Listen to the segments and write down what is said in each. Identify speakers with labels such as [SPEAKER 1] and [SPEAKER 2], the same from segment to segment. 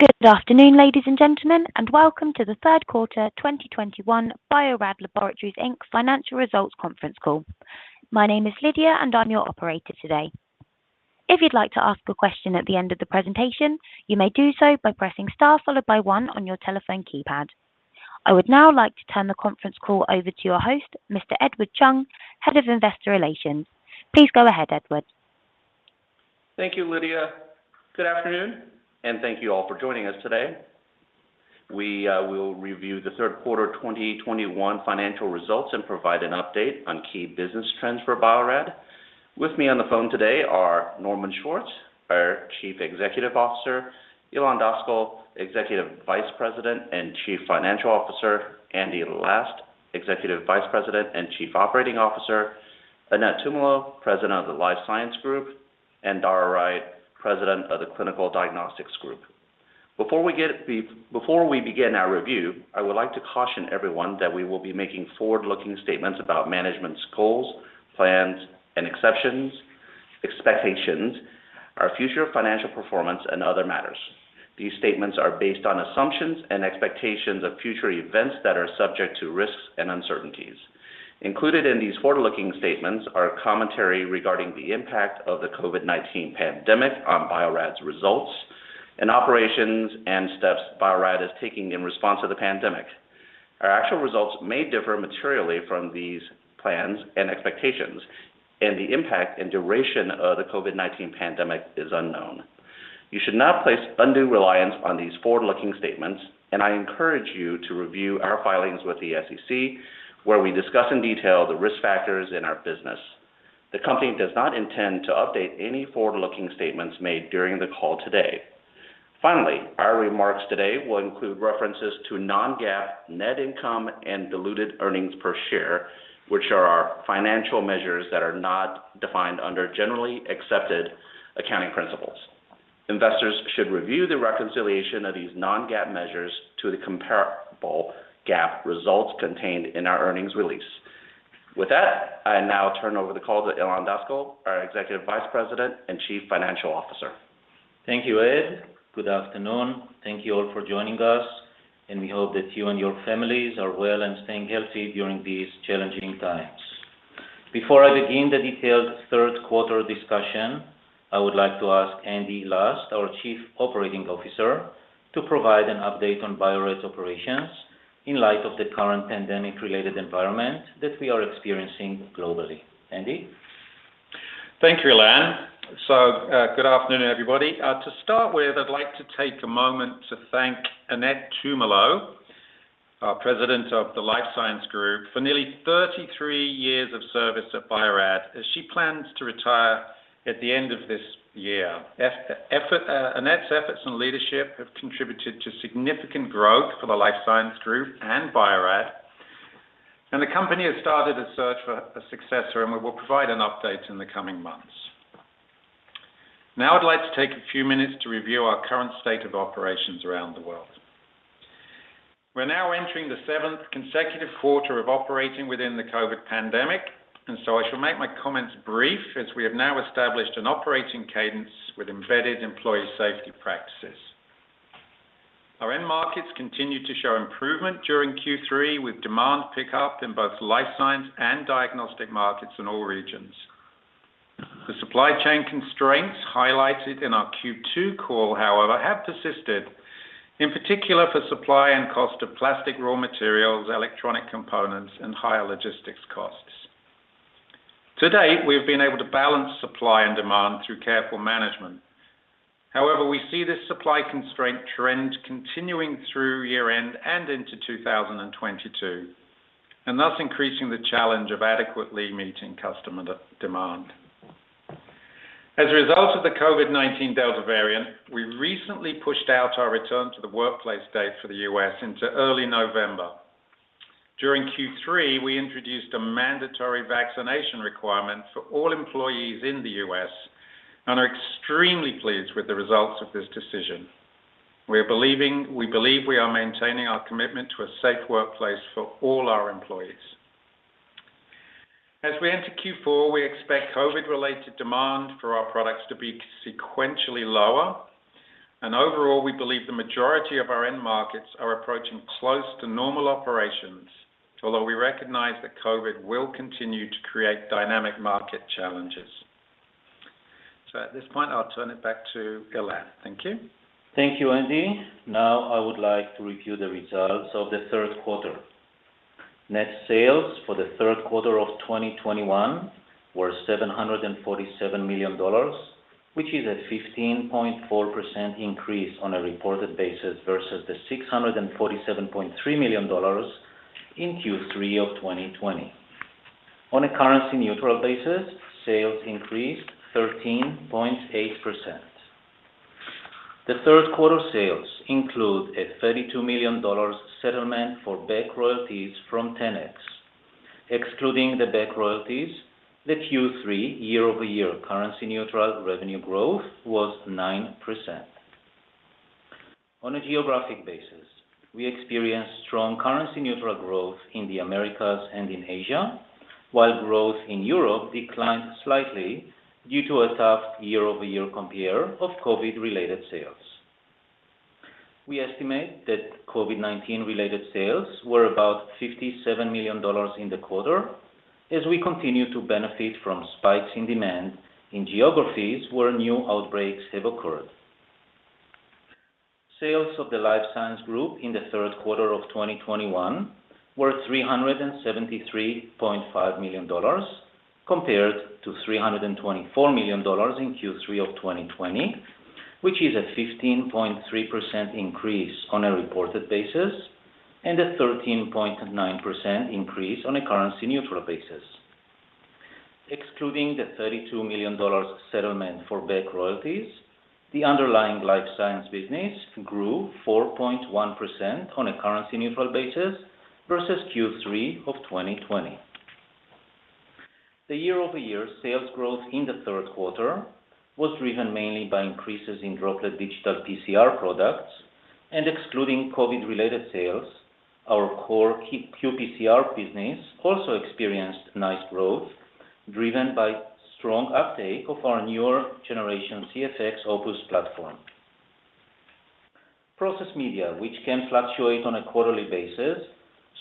[SPEAKER 1] Good afternoon, ladies and gentlemen, and welcome to the third quarter 2021 Bio-Rad Laboratories, Inc. financial results conference call. My name is Lydia and I'm your operator today. If you'd like to ask a question at the end of the presentation, you may do so by pressing star followed by one on your telephone keypad. I would now like to turn the conference call over to your host, Mr. Edward Chung, Head of Investor Relations. Please go ahead, Edward.
[SPEAKER 2] Thank you, Lydia. Good afternoon, and thank you all for joining us today. We will review the third quarter 2021 financial results and provide an update on key business trends for Bio-Rad. With me on the phone today are Norman Schwartz, our Chief Executive Officer, Ilan Daskal, Executive Vice President and Chief Financial Officer, Andy Last, Executive Vice President and Chief Operating Officer, Annette Tumolo, President of the Life Science Group, and Dara Wright, President of the Clinical Diagnostics Group. Before we begin our review, I would like to caution everyone that we will be making forward-looking statements about management's goals, plans, and expectations, our future financial performance, and other matters. These statements are based on assumptions and expectations of future events that are subject to risks and uncertainties. Included in these forward-looking statements are commentary regarding the impact of the COVID-19 pandemic on Bio-Rad's results and operations and steps Bio-Rad is taking in response to the pandemic. Our actual results may differ materially from these plans and expectations, and the impact and duration of the COVID-19 pandemic is unknown. You should not place undue reliance on these forward-looking statements, and I encourage you to review our filings with the SEC, where we discuss in detail the risk factors in our business. The company does not intend to update any forward-looking statements made during the call today. Finally, our remarks today will include references to non-GAAP net income and diluted earnings per share, which are our financial measures that are not defined under generally accepted accounting principles. Investors should review the reconciliation of these non-GAAP measures to the comparable GAAP results contained in our earnings release. With that, I now turn over the call to Ilan Daskal, our Executive Vice President and Chief Financial Officer.
[SPEAKER 3] Thank you, Ed. Good afternoon. Thank you all for joining us, and we hope that you and your families are well and staying healthy during these challenging times. Before I begin the detailed third quarter discussion, I would like to ask Andy Last, our Chief Operating Officer, to provide an update on Bio-Rad's operations in light of the current pandemic-related environment that we are experiencing globally. Andy.
[SPEAKER 4] Thank you, Ilan. Good afternoon, everybody. To start with, I'd like to take a moment to thank Annette Tumolo, our President of the Life Science Group, for nearly 33 years of service at Bio-Rad as she plans to retire at the end of this year. Annette's efforts and leadership have contributed to significant growth for the Life Science Group and Bio-Rad, and the company has started a search for a successor, and we will provide an update in the coming months. Now I'd like to take a few minutes to review our current state of operations around the world. We're now entering the seventh consecutive quarter of operating within the COVID pandemic, and so I shall make my comments brief as we have now established an operating cadence with embedded employee safety practices. Our end markets continued to show improvement during Q3 with demand pickup in both life science and diagnostic markets in all regions. The supply chain constraints highlighted in our Q2 call, however, have persisted, in particular for supply and cost of plastic raw materials, electronic components, and higher logistics costs. To date, we have been able to balance supply and demand through careful management. However, we see this supply constraint trend continuing through year-end and into 2022, and thus increasing the challenge of adequately meeting customer demand. As a result of the COVID-19 Delta variant, we recently pushed out our return to the workplace date for the U.S. into early November. During Q3, we introduced a mandatory vaccination requirement for all employees in the U.S. and are extremely pleased with the results of this decision. We believe we are maintaining our commitment to a safe workplace for all our employees. As we enter Q4, we expect COVID-related demand for our products to be sequentially lower. Overall, we believe the majority of our end markets are approaching close to normal operations, although we recognize that COVID will continue to create dynamic market challenges. At this point, I'll turn it back to Ilan. Thank you.
[SPEAKER 3] Thank you, Andy. Now I would like to review the results of the third quarter. Net sales for the third quarter of 2021 were $747 million, which is a 15.4% increase on a reported basis versus the $647.3 million in Q3 of 2020. On a currency neutral basis, sales increased 13.8%. The third quarter sales include a $32 million settlement for back royalties from 10x. Excluding the back royalties, the Q3 year-over-year currency neutral revenue growth was 9%. On a geographic basis, we experienced strong currency neutral growth in the Americas and in Asia. While growth in Europe declined slightly due to a tough year-over-year compare of COVID-related sales. We estimate that COVID-19 related sales were about $57 million in the quarter as we continue to benefit from spikes in demand in geographies where new outbreaks have occurred. Sales of the Life Science Group in the third quarter of 2021 were $373.5 million compared to $324 million in Q3 of 2020, which is a 15.3% increase on a reported basis, and a 13.9% increase on a currency neutral basis. Excluding the $32 million settlement for back royalties, the underlying Life Science business grew 4.1% on a currency neutral basis versus Q3 of 2020. The year-over-year sales growth in the third quarter was driven mainly by increases in Droplet Digital PCR products and excluding COVID related sales, our core qPCR business also experienced nice growth, driven by strong uptake of our newer generation CFX Opus platform. Process Media, which can fluctuate on a quarterly basis,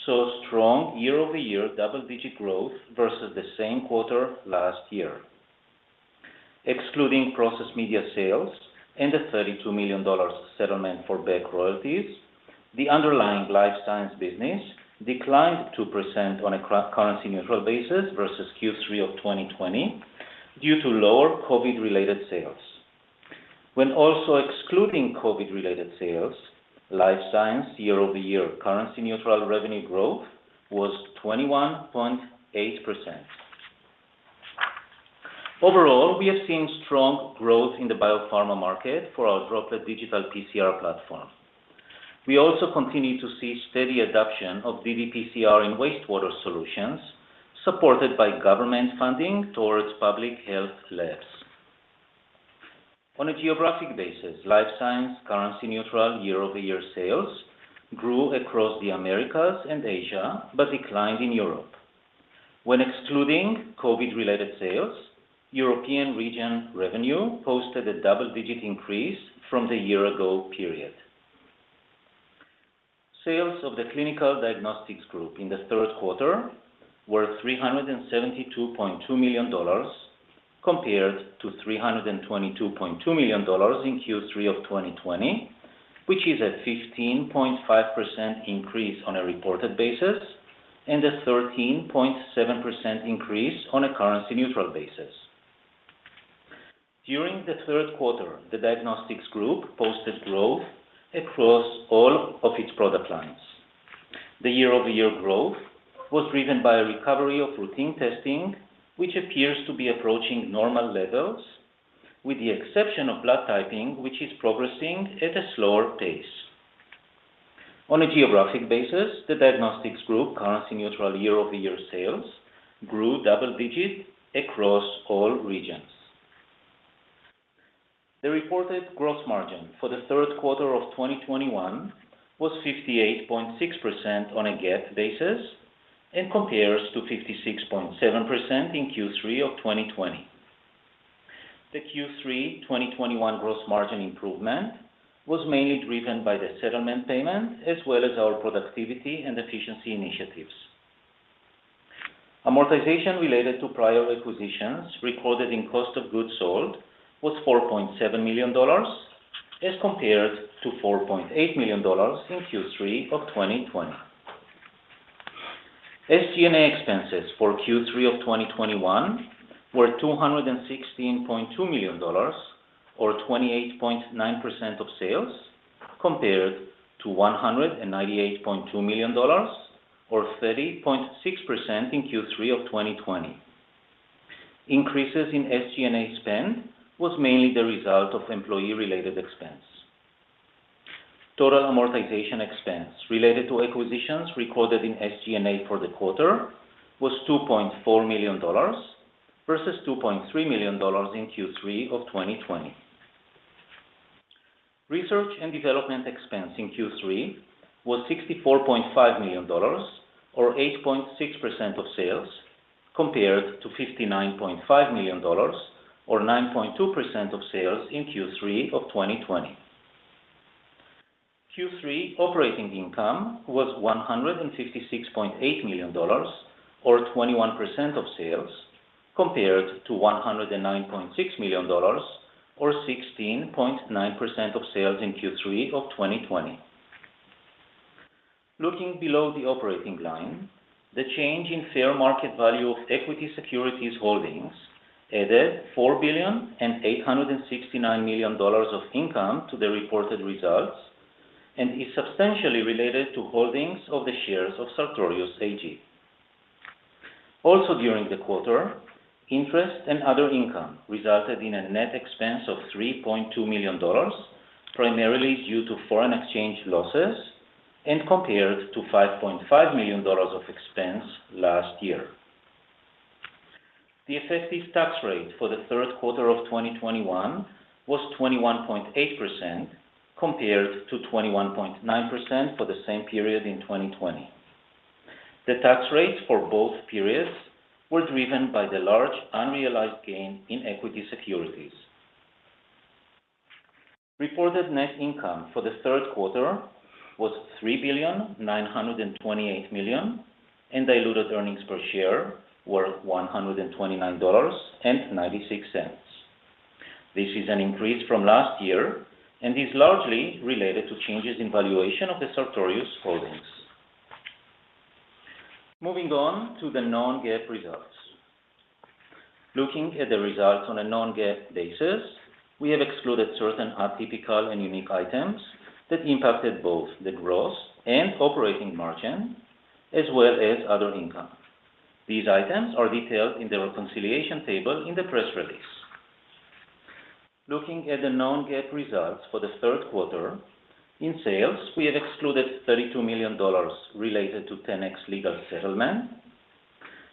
[SPEAKER 3] saw strong year-over-year double-digit growth versus the same quarter last year. Excluding Process Media sales and the $32 million settlement for back royalties, the underlying Life Science business declined 2% on a currency neutral basis versus Q3 of 2020 due to lower COVID related sales. When also excluding COVID related sales, Life Science year-over-year currency neutral revenue growth was 21.8%. Overall, we have seen strong growth in the biopharma market for our Droplet Digital PCR platform. We also continue to see steady adoption of ddPCR in wastewater solutions, supported by government funding towards public health labs. On a geographic basis, Life Science currency-neutral year-over-year sales grew across the Americas and Asia, but declined in Europe. When excluding COVID related sales, European region revenue posted a double-digit increase from the year-ago period. Sales of the Clinical Diagnostics Group in the third quarter were $372.2 million, compared to $322.2 million in Q3 of 2020, which is a 15.5% increase on a reported basis, and a 13.7% increase on a currency-neutral basis. During the third quarter, the Diagnostics Group posted growth across all of its product lines. The year-over-year growth was driven by a recovery of routine testing, which appears to be approaching normal levels, with the exception of blood typing, which is progressing at a slower pace. On a geographic basis, the Diagnostics Group currency neutral year-over-year sales grew double digits across all regions. The reported gross margin for the third quarter of 2021 was 58.6% on a GAAP basis and compares to 56.7% in Q3 of 2020. The Q3 2021 gross margin improvement was mainly driven by the settlement payment as well as our productivity and efficiency initiatives. Amortization related to prior acquisitions recorded in cost of goods sold was $4.7 million as compared to $4.8 million in Q3 of 2020. SG&A expenses for Q3 of 2021 were $216.2 million or 28.9% of sales, compared to $198.2 million or 30.6% in Q3 of 2020. Increases in SG&A spend was mainly the result of employee-related expense. Total amortization expense related to acquisitions recorded in SG&A for the quarter was $2.4 million versus $2.3 million in Q3 of 2020. Research and development expense in Q3 was $64.5 million or 8.6% of sales, compared to $59.5 million or 9.2% of sales in Q3 of 2020. Q3 operating income was $156.8 million or 21% of sales, compared to $109.6 million or 16.9% of sales in Q3 of 2020. Looking below the operating line, the change in fair market value of equity securities holdings added $4.869 billion of income to the reported results and is substantially related to holdings of the shares of Sartorius AG. Also, during the quarter, interest and other income resulted in a net expense of $3.2 million, primarily due to foreign exchange losses and compared to $5.5 million of expense last year. The effective tax rate for the third quarter of 2021 was 21.8% compared to 21.9% for the same period in 2020. The tax rates for both periods were driven by the large unrealized gain in equity securities. Reported net income for the third quarter was $3.928 billion, and diluted earnings per share were $129.96. This is an increase from last year and is largely related to changes in valuation of the Sartorius holdings. Moving on to the non-GAAP results. Looking at the results on a non-GAAP basis, we have excluded certain atypical and unique items that impacted both the gross and operating margin, as well as other income. These items are detailed in the reconciliation table in the press release. Looking at the non-GAAP results for the third quarter, in sales, we have excluded $32 million related to 10x legal settlement.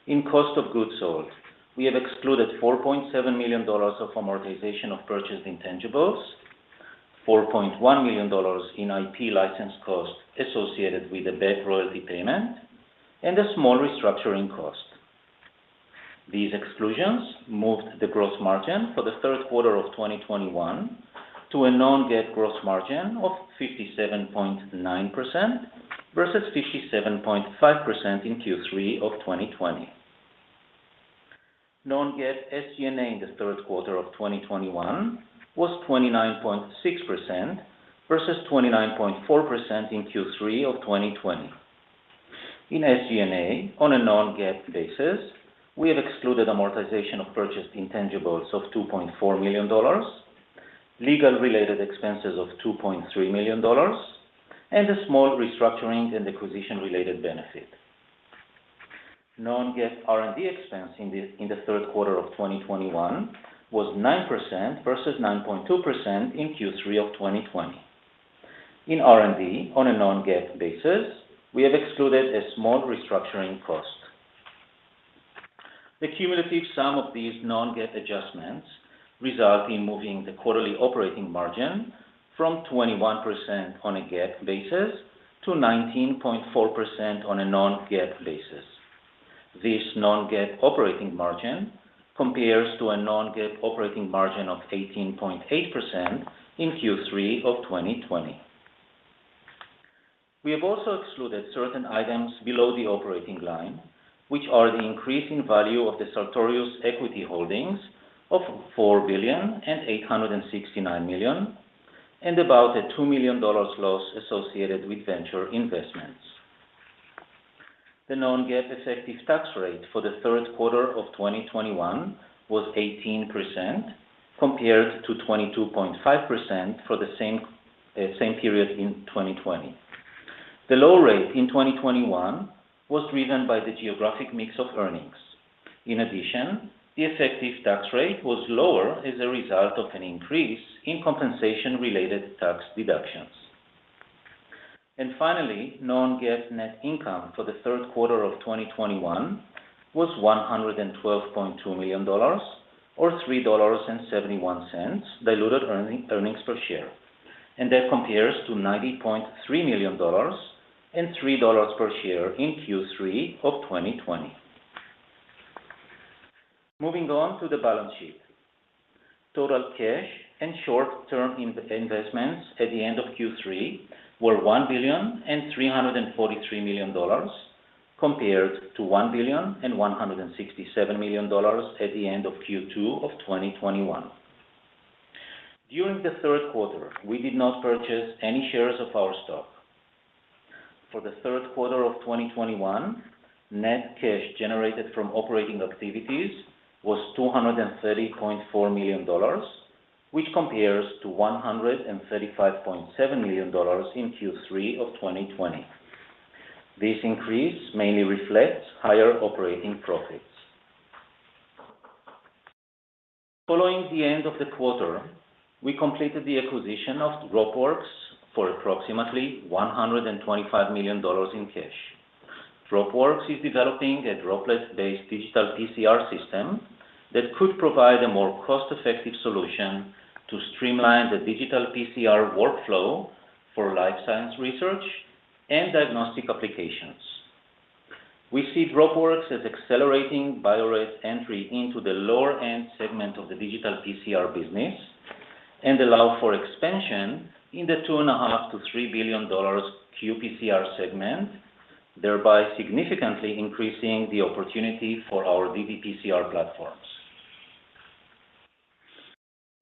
[SPEAKER 3] In cost of goods sold, we have excluded $4.7 million of amortization of purchased intangibles, $4.1 million in IP license costs associated with the back royalty payment, and a small restructuring cost. These exclusions moved the gross margin for the third quarter of 2021 to a non-GAAP gross margin of 57.9% versus 57.5% in Q3 of 2020. Non-GAAP SG&A in the third quarter of 2021 was 29.6% versus 29.4% in Q3 of 2020. In SG&A, on a non-GAAP basis, we have excluded amortization of purchased intangibles of $2.4 million, legal-related expenses of $2.3 million, and a small restructuring and acquisition-related benefit. Non-GAAP R&D expense in the third quarter of 2021 was 9% versus 9.2% in Q3 of 2020. In R&D, on a non-GAAP basis, we have excluded a small restructuring cost. The cumulative sum of these non-GAAP adjustments result in moving the quarterly operating margin from 21% on a GAAP basis to 19.4% on a non-GAAP basis. This non-GAAP operating margin compares to a non-GAAP operating margin of 18.8% in Q3 of 2020. We have also excluded certain items below the operating line, which are the increase in value of the Sartorius equity holdings of $4.869 billion, and about a $2 million loss associated with venture investments. The non-GAAP effective tax rate for the third quarter of 2021 was 18% compared to 22.5% for the same period in 2020. The low rate in 2021 was driven by the geographic mix of earnings. In addition, the effective tax rate was lower as a result of an increase in compensation-related tax deductions. Finally, non-GAAP net income for the third quarter of 2021 was $112.2 million or $3.71 diluted earnings per share. That compares to $90.3 million and $3 per share in Q3 of 2020. Moving on to the balance sheet. Total cash and short-term investments at the end of Q3 were $1.343 billion compared to $1.167 billion at the end of Q2 of 2021. During the third quarter, we did not purchase any shares of our stock. For the third quarter of 2021, net cash generated from operating activities was $230.4 million, which compares to $135.7 million in Q3 of 2020. This increase mainly reflects higher operating profits. Following the end of the quarter, we completed the acquisition of Dropworks for approximately $125 million in cash. Dropworks is developing a droplet-based digital PCR system that could provide a more cost-effective solution to streamline the digital PCR workflow for life science research and diagnostic applications. We see Dropworks as accelerating Bio-Rad's entry into the lower-end segment of the digital PCR business and allow for expansion in the $2.5 billion-$3 billion qPCR segment, thereby significantly increasing the opportunity for our ddPCR platforms.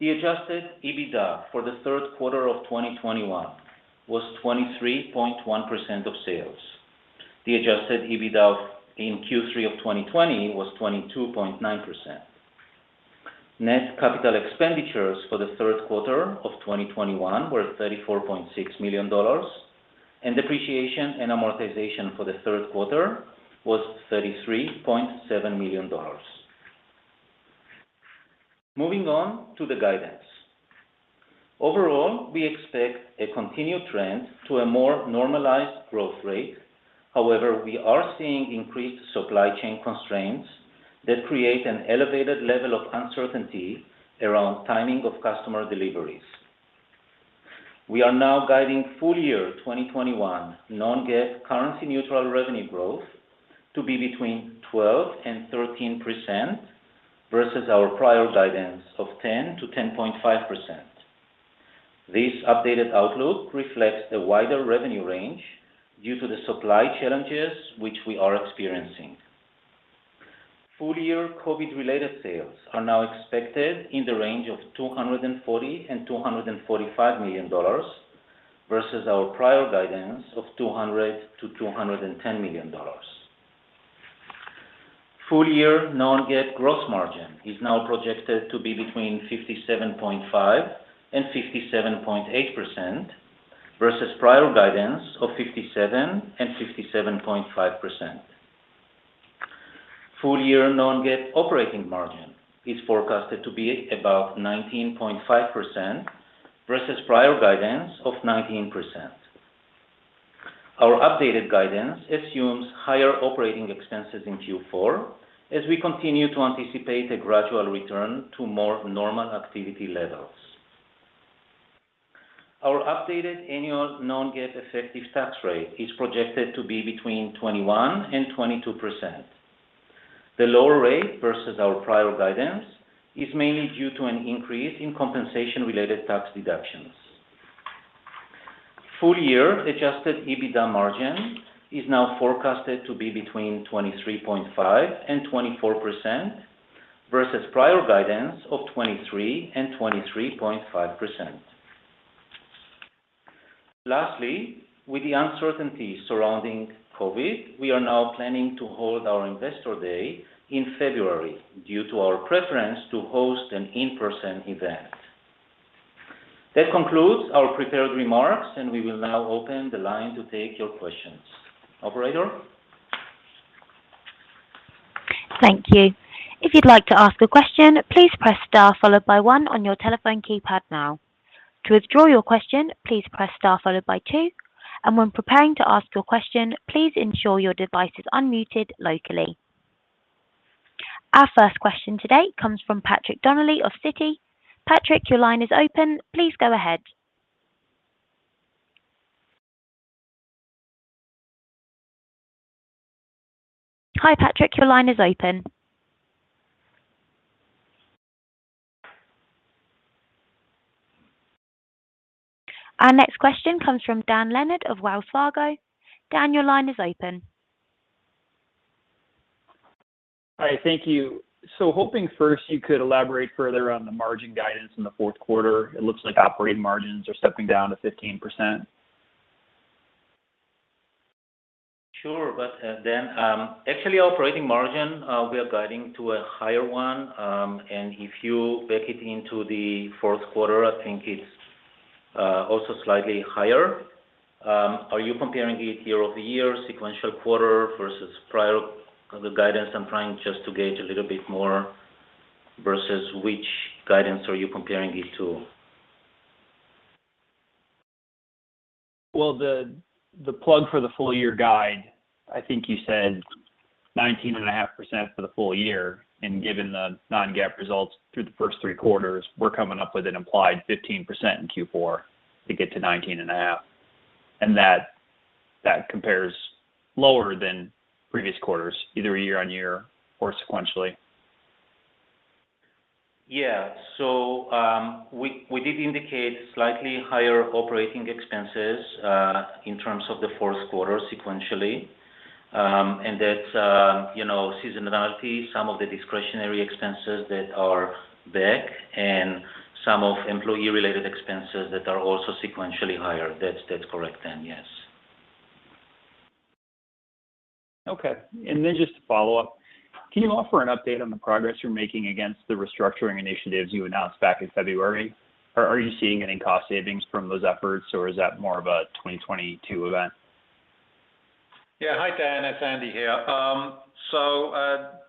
[SPEAKER 3] The adjusted EBITDA for the third quarter of 2021 was 23.1% of sales. The adjusted EBITDA in Q3 of 2020 was 22.9%. Net capital expenditures for the third quarter of 2021 were $34.6 million, and depreciation and amortization for the third quarter was $33.7 million. Moving on to the guidance. Overall, we expect a continued trend to a more normalized growth rate. However, we are seeing increased supply chain constraints that create an elevated level of uncertainty around timing of customer deliveries. We are now guiding full-year 2021 non-GAAP currency neutral revenue growth to be between 12%-13% versus our prior guidance of 10%-10.5%. This updated outlook reflects the wider revenue range due to the supply challenges which we are experiencing. Full-year COVID-related sales are now expected in the range of $240 million-$245 million versus our prior guidance of $200 million-$210 million. Full-year non-GAAP gross margin is now projected to be between 57.5%-57.8% versus prior guidance of 57%-57.5%. Full-year non-GAAP operating margin is forecasted to be about 19.5% versus prior guidance of 19%. Our updated guidance assumes higher operating expenses in Q4 as we continue to anticipate a gradual return to more normal activity levels. Our updated annual non-GAAP effective tax rate is projected to be between 21% and 22%. The lower rate versus our prior guidance is mainly due to an increase in compensation-related tax deductions. Full-year adjusted EBITDA margin is now forecasted to be between 23.5% and 24% versus prior guidance of 23% and 23.5%. Lastly, with the uncertainty surrounding COVID, we are now planning to hold our Investor Day in February due to our preference to host an in-person event. That concludes our prepared remarks, and we will now open the line to take your questions. Operator?
[SPEAKER 1] Our first question today comes from Patrick Donnelly of Citi. Patrick, your line is open. Please go ahead. Hi, Patrick, your line is open. Our next question comes from Dan Leonard of Wells Fargo. Dan, your line is open.
[SPEAKER 5] Hi. Thank you. Hoping first you could elaborate further on the margin guidance in the fourth quarter. It looks like operating margins are stepping down to 15%.
[SPEAKER 3] Sure. Dan, actually operating margin, we are guiding to a higher one. If you bake it into the fourth quarter, I think it's also slightly higher. Are you comparing it year-over-year, sequential quarter versus prior guidance? I'm trying just to gauge a little bit more versus which guidance are you comparing it to?
[SPEAKER 5] Well, the plug for the full-year guide, I think you said 19.5% for the full year. Given the non-GAAP results through the first three quarters, we're coming up with an implied 15% in Q4 to get to 19.5%, and that compares lower than previous quarters, either year-on-year or sequentially.
[SPEAKER 3] Yeah. We did indicate slightly higher operating expenses in terms of the fourth quarter sequentially, and that, you know, seasonality, some of the discretionary expenses that are back, and some of employee-related expenses that are also sequentially higher. That's correct, Dan, yes.
[SPEAKER 5] Okay. Just to follow up, can you offer an update on the progress you're making against the restructuring initiatives you announced back in February? Are you seeing any cost savings from those efforts, or is that more of a 2022 event?
[SPEAKER 4] Yeah. Hi, Dan. It's Andy here.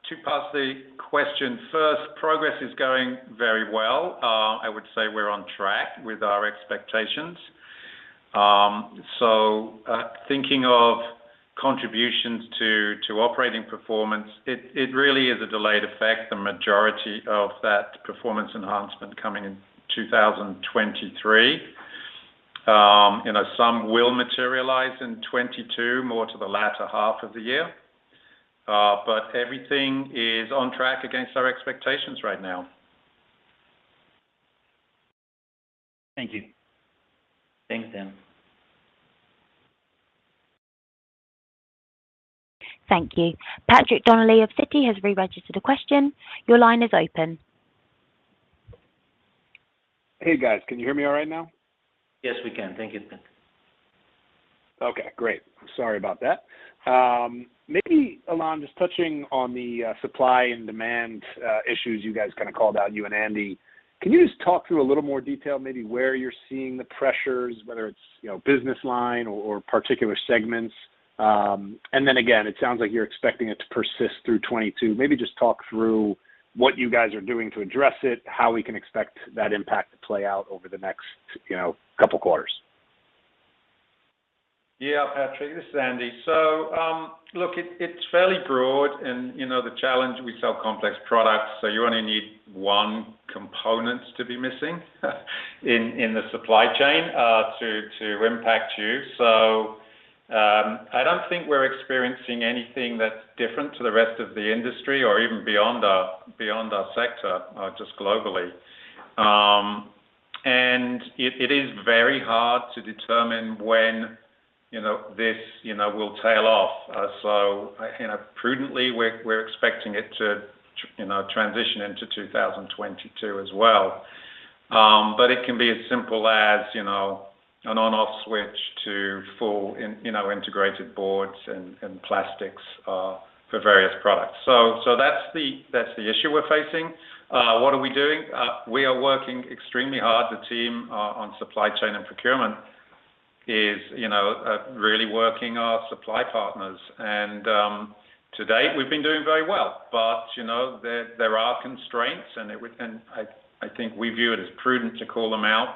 [SPEAKER 4] Two parts to the question. First, progress is going very well. I would say we're on track with our expectations. Thinking of contributions to operating performance, it really is a delayed effect, the majority of that performance enhancement coming in 2023. You know, some will materialize in 2022, more to the latter half of the year. Everything is on track against our expectations right now.
[SPEAKER 5] Thank you.
[SPEAKER 3] Thanks, Dan.
[SPEAKER 1] Thank you. Patrick Donnelly of Citi has re-registered a question. Your line is open.
[SPEAKER 6] Hey, guys. Can you hear me all right now?
[SPEAKER 3] Yes, we can. Thank you.
[SPEAKER 6] Okay, great. Sorry about that. Maybe, Ilan, just touching on the supply and demand issues you guys kind of called out, you and Andy. Can you just talk through a little more detail maybe where you're seeing the pressures, whether it's, you know, business line or particular segments? And then again, it sounds like you're expecting it to persist through 2022. Maybe just talk through what you guys are doing to address it, how we can expect that impact to play out over the next, you know, couple quarters?
[SPEAKER 4] Yeah, Patrick, this is Andy. It's fairly broad, and, you know, the challenge, we sell complex products, so you only need one component to be missing in the supply chain to impact you. I don't think we're experiencing anything that's different to the rest of the industry or even beyond our sector just globally. And it is very hard to determine when, you know, this will tail off. Prudently we're expecting it to, you know, transition into 2022 as well. But it can be as simple as, you know, an on/off switch to fully integrated boards and plastics for various products. That's the issue we're facing. What are we doing? We are working extremely hard. The team on supply chain and procurement is, you know, really working our supply partners. To date, we've been doing very well. You know, there are constraints. I think we view it as prudent to call them out,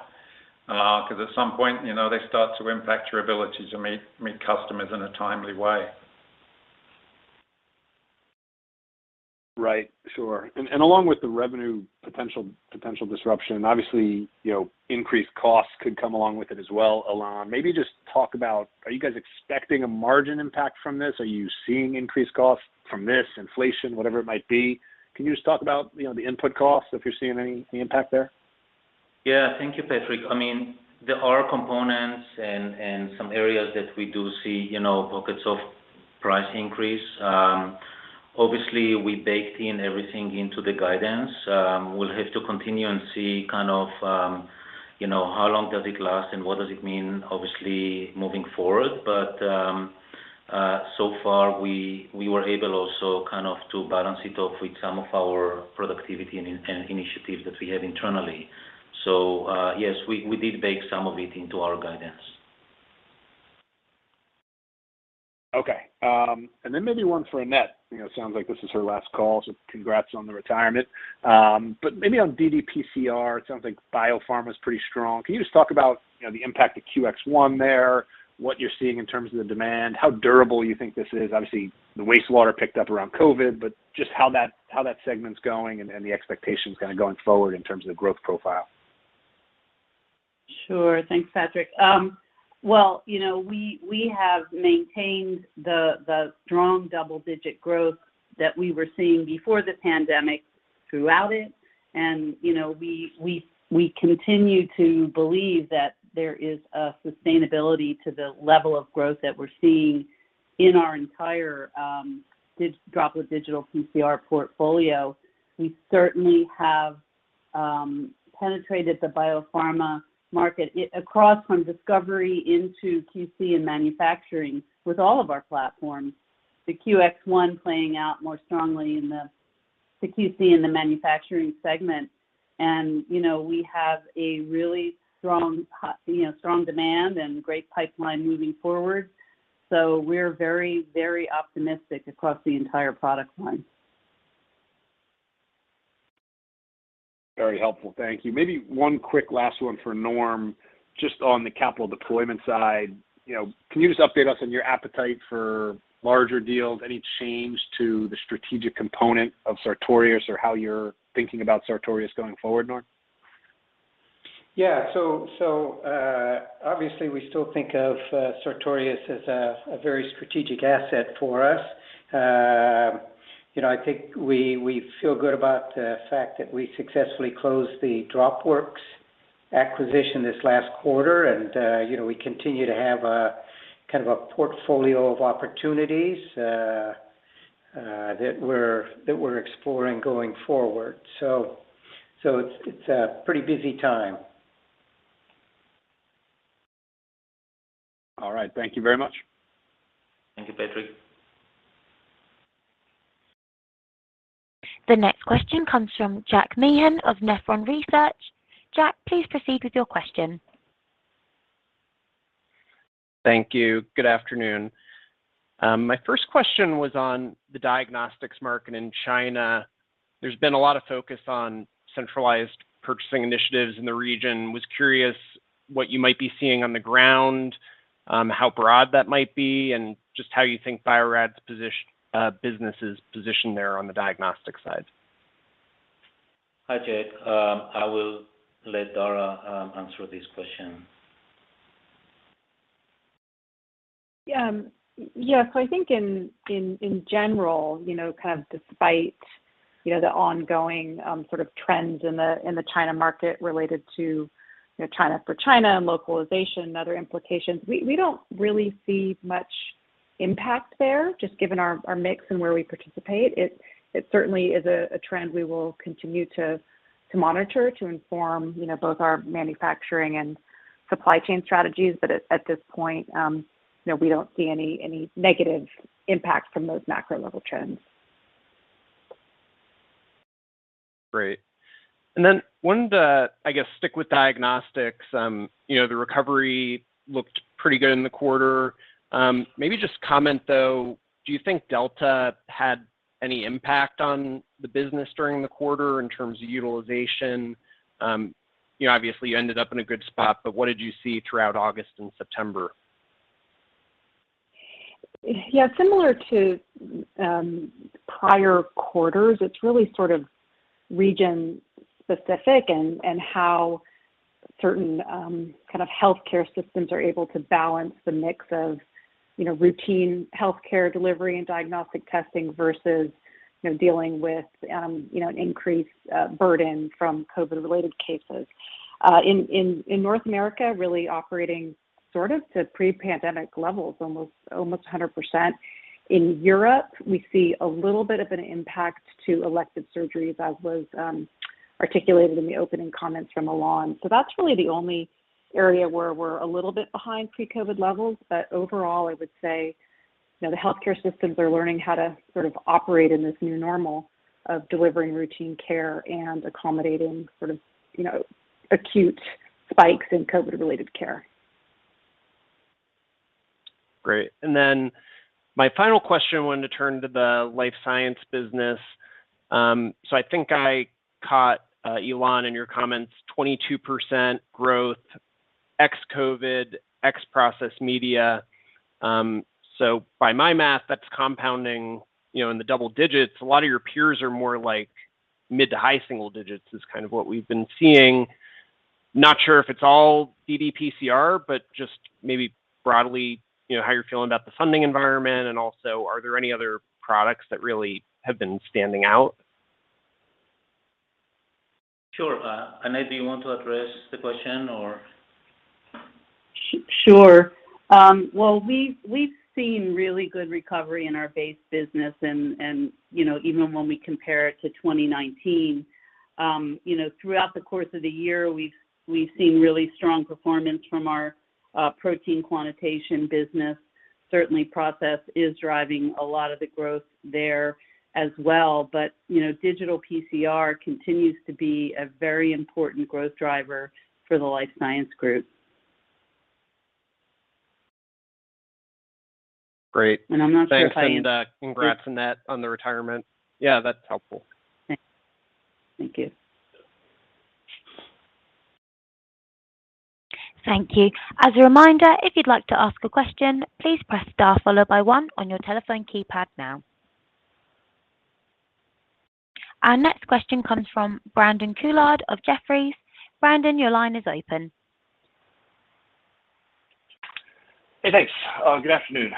[SPEAKER 4] 'cause at some point, you know, they start to impact your ability to meet customers in a timely way.
[SPEAKER 6] Right. Sure. Along with the revenue potential disruption, obviously, you know, increased costs could come along with it as well. Ilan, maybe just talk about, are you guys expecting a margin impact from this? Are you seeing increased costs from this inflation, whatever it might be? Can you just talk about, you know, the input costs, if you're seeing any impact there?
[SPEAKER 3] Yeah. Thank you, Patrick. I mean, there are components and some areas that we do see, you know, pockets of price increase. Obviously we baked in everything into the guidance. We'll have to continue and see kind of, you know, how long does it last and what does it mean, obviously, moving forward. So far we were able also kind of to balance it off with some of our productivity and in-and-out initiatives that we have internally. Yes, we did bake some of it into our guidance.
[SPEAKER 6] Okay. Then maybe one for Annette. You know, it sounds like this is her last call, so congrats on the retirement. Maybe on ddPCR, it sounds like biopharma is pretty strong. Can you just talk about, you know, the impact of QX ONE there, what you're seeing in terms of the demand, how durable you think this is? Obviously, the wastewater picked up around COVID, but just how that segment's going and the expectations kind of going forward in terms of the growth profile.
[SPEAKER 7] Sure. Thanks, Patrick. Well, you know, we have maintained the strong double-digit growth that we were seeing before the pandemic throughout it. You know, we continue to believe that there is a sustainability to the level of growth that we're seeing in our entire ddPCR with digital PCR portfolio. We certainly have penetrated the biopharma market across from discovery into QC and manufacturing with all of our platforms. The QX ONE playing out more strongly in the QC and the manufacturing segment. You know, we have a really strong, you know, strong demand and great pipeline moving forward. We're very, very optimistic across the entire product line.
[SPEAKER 6] Very helpful. Thank you. Maybe one quick last one for Norm, just on the capital deployment side. You know, can you just update us on your appetite for larger deals? Any change to the strategic component of Sartorius or how you're thinking about Sartorius going forward, Norm?
[SPEAKER 8] Yeah. Obviously we still think of Sartorius as a very strategic asset for us. You know, I think we feel good about the fact that we successfully closed the Dropworks acquisition this last quarter. You know, we continue to have a kind of portfolio of opportunities that we're exploring going forward. It's a pretty busy time.
[SPEAKER 6] All right. Thank you very much.
[SPEAKER 3] Thank you, Patrick.
[SPEAKER 1] The next question comes from Jack Meehan of Nephron Research. Jack, please proceed with your question.
[SPEAKER 9] Thank you. Good afternoon. My first question was on the diagnostics market in China. There's been a lot of focus on centralized purchasing initiatives in the region. I was curious what you might be seeing on the ground, how broad that might be, and just how you think Bio-Rad's business' position there on the diagnostic side.
[SPEAKER 3] Hi, Jack. I will let Dara answer this question.
[SPEAKER 10] I think in general, you know, kind of despite, you know, the ongoing sort of trends in the China market related to, you know, China for China and localization and other implications, we don't really see much impact there, just given our mix and where we participate. It certainly is a trend we will continue to monitor, to inform, you know, both our manufacturing and supply chain strategies, at this point, you know, we don't see any negative impact from those macro level trends.
[SPEAKER 9] Great. Wanted to, I guess, stick with diagnostics. You know, the recovery looked pretty good in the quarter. Maybe just comment though, do you think Delta had any impact on the business during the quarter in terms of utilization? You know, obviously you ended up in a good spot, but what did you see throughout August and September?
[SPEAKER 10] Yeah, similar to prior quarters, it's really sort of region specific and how certain kind of healthcare systems are able to balance the mix of, you know, routine healthcare delivery and diagnostic testing versus, you know, dealing with, you know, an increased burden from COVID related cases. In North America, really operating sort of to pre-pandemic levels, almost 100%. In Europe, we see a little bit of an impact to elective surgeries as was articulated in the opening comments from Ilan. That's really the only area where we're a little bit behind pre-COVID levels. Overall, I would say, you know, the healthcare systems are learning how to sort of operate in this new normal of delivering routine care and accommodating sort of, you know, acute spikes in COVID related care.
[SPEAKER 9] Great. My final question, I wanted to turn to the life science business. I think I caught, Ilan, in your comments, 22% growth ex-COVID, ex Process Media. By my math, that's compounding, you know, in the double digits. A lot of your peers are more like mid to high single digits is kind of what we've been seeing. Not sure if it's all ddPCR, but just maybe broadly, you know, how you're feeling about the funding environment, and also are there any other products that really have been standing out?
[SPEAKER 3] Sure. Annette, do you want to address the question or?
[SPEAKER 7] Sure. Well, we've seen really good recovery in our base business and, you know, even when we compare it to 2019. You know, throughout the course of the year, we've seen really strong performance from our protein quantitation business. Certainly Process is driving a lot of the growth there as well. You know, digital PCR continues to be a very important growth driver for the Life Science Group.
[SPEAKER 9] Great.
[SPEAKER 7] I'm not sure if I answered.
[SPEAKER 9] Thanks and congrats, Annette, on the retirement. Yeah, that's helpful.
[SPEAKER 7] Thank you.
[SPEAKER 1] Thank you. As a reminder, if you'd like to ask a question, please press star followed by one on your telephone keypad now. Our next question comes from Brandon Couillard of Jefferies. Brandon, your line is open.
[SPEAKER 11] Hey, thanks. Good afternoon.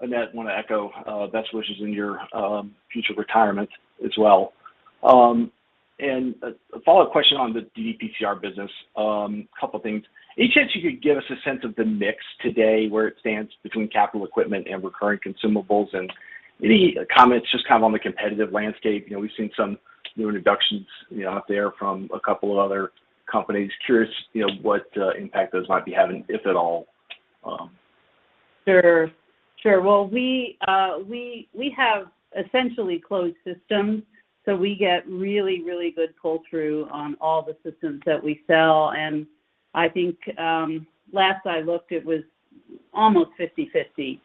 [SPEAKER 11] Annette, want to echo best wishes in your future retirement as well. And a follow-up question on the ddPCR business. A couple things. Any chance you could give us a sense of the mix today, where it stands between capital equipment and recurring consumables? And any comments just kind of on the competitive landscape. You know, we've seen some new introductions, you know, out there from a couple of other companies. Curious, you know, what impact those might be having, if at all.
[SPEAKER 7] Sure, sure. Well, we have essentially closed systems, so we get really good pull-through on all the systems that we sell. I think last I looked it was almost 50/50,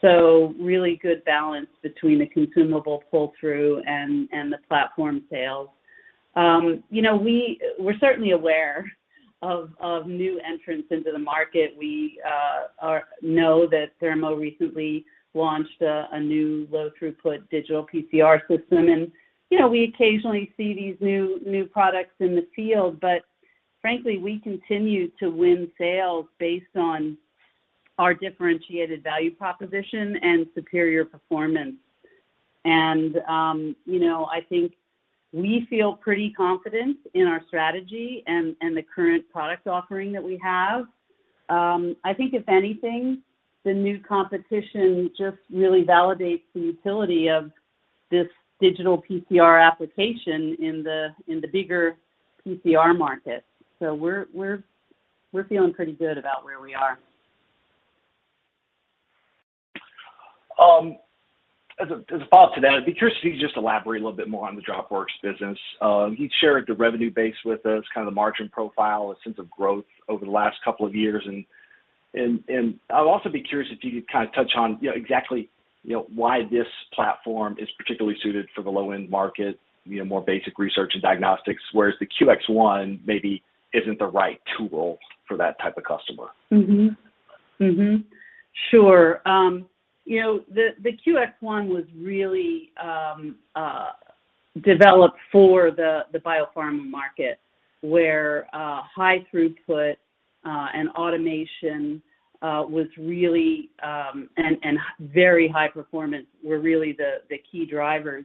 [SPEAKER 7] so really good balance between the consumable pull-through and the platform sales. You know, we're certainly aware of new entrants into the market. We know that Thermo recently launched a new low throughput digital PCR system and, you know, we occasionally see these new products in the field, but frankly, we continue to win sales based on our differentiated value proposition and superior performance. You know, I think we feel pretty confident in our strategy and the current product offering that we have. I think if anything, the new competition just really validates the utility of this digital PCR application in the bigger PCR market. We're feeling pretty good about where we are.
[SPEAKER 11] As a follow-up to that, I'd be curious if you could just elaborate a little bit more on the Dropworks business. Can you share the revenue base with us, kind of the margin profile, a sense of growth over the last couple of years? I'd also be curious if you could kind of touch on, you know, exactly, you know, why this platform is particularly suited for the low-end market, you know, more basic research and diagnostics, whereas the QX ONE maybe isn't the right tool for that type of customer.
[SPEAKER 7] Sure. You know, the QX ONE was really developed for the biopharma market where high throughput and automation and very high performance were really the key drivers.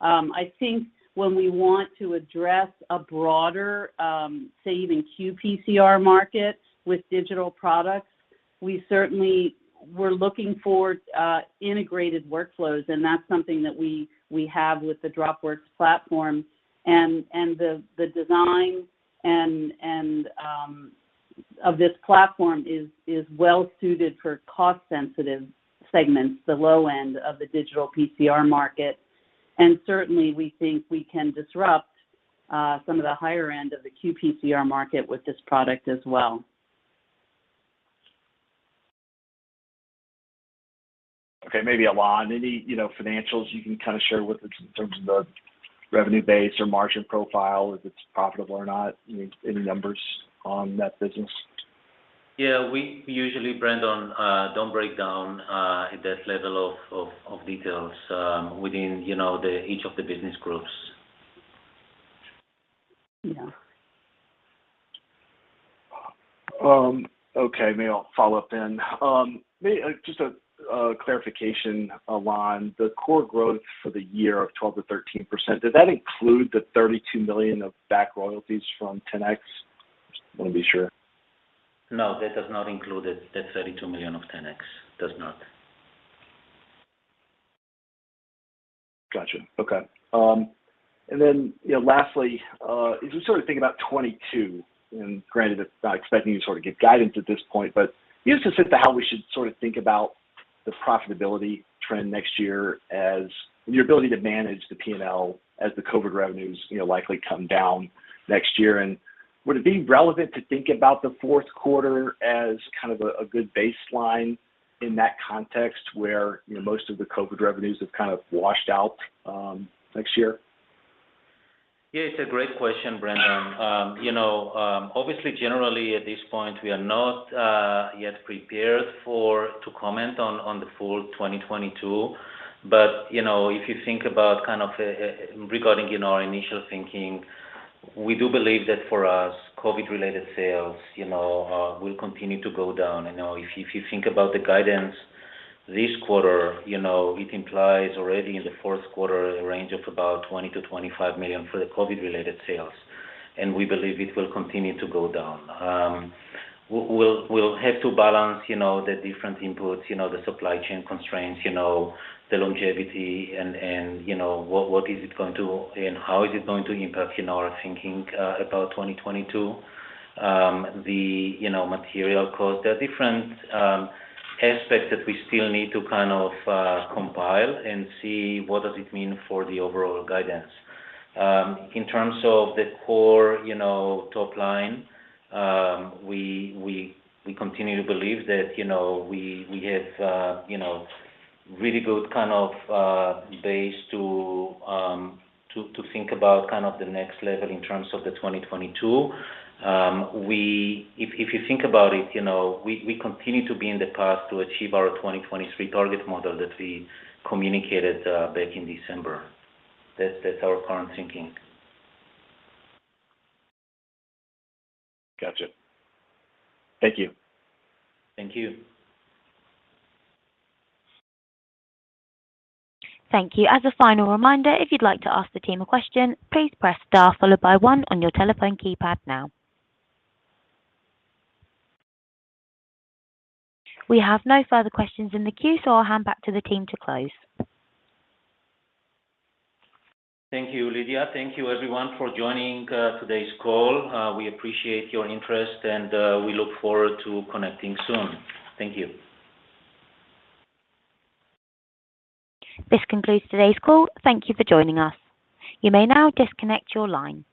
[SPEAKER 7] I think when we want to address a broader, say, even qPCR market with digital products. We certainly are looking for integrated workflows, and that's something that we have with the Dropworks platform. The design of this platform is well suited for cost-sensitive segments, the low end of the digital PCR market. Certainly, we think we can disrupt some of the higher end of the qPCR market with this product as well.
[SPEAKER 11] Okay. Maybe Ilan, any, you know, financials you can kind of share with us in terms of the revenue base or margin profile, if it's profitable or not, you know, any numbers on that business?
[SPEAKER 3] Yeah. We usually, Brandon, don't break down that level of details within, you know, each of the business groups.
[SPEAKER 7] Yeah.
[SPEAKER 11] Okay, maybe I'll follow up then. Just a clarification, Ilan. The core growth for the year of 12%-13%, does that include the $32 million of back royalties from 10x? Just wanna be sure.
[SPEAKER 3] No, that does not include it, that $32 million of 10x. Does not.
[SPEAKER 11] Gotcha. Okay. You know, lastly, as we sort of think about 2022, and granted it's not expecting you to sort of give guidance at this point, but give us a sense of how we should sort of think about the profitability trend next year as your ability to manage the P&L as the COVID revenues you know likely come down next year. Would it be relevant to think about the fourth quarter as kind of a good baseline in that context where you know most of the COVID revenues have kind of washed out next year?
[SPEAKER 3] Yeah, it's a great question, Brandon. You know, obviously, generally at this point, we are not yet prepared to comment on the full-year 2022. You know, if you think about kind of regarding you know, our initial thinking, we do believe that for us, COVID-related sales you know will continue to go down. You know, if you think about the guidance this quarter, you know, it implies already in the fourth quarter a range of about $20 million-$25 million for the COVID-related sales, and we believe it will continue to go down. We'll have to balance you know, the different inputs, you know, the supply chain constraints, you know, the longevity and you know, what is it going to and how is it going to impact you know, our thinking about 2022. The, you know, material cost. There are different aspects that we still need to kind of compile and see what does it mean for the overall guidance. In terms of the core, you know, top line, we continue to believe that, you know, we have really good kind of base to think about kind of the next level in terms of 2022. If you think about it, you know, we continue to be in the path to achieve our 2023 target model that we communicated back in December. That's our current thinking.
[SPEAKER 11] Gotcha. Thank you.
[SPEAKER 3] Thank you.
[SPEAKER 1] Thank you. As a final reminder, if you'd like to ask the team a question, please press star followed by one on your telephone keypad now. We have no further questions in the queue, so I'll hand back to the team to close.
[SPEAKER 3] Thank you, Lydia. Thank you everyone for joining today's call. We appreciate your interest, and we look forward to connecting soon. Thank you.
[SPEAKER 1] This concludes today's call. Thank you for joining us. You may now disconnect your line.